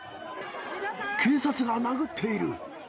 警察が殴っている。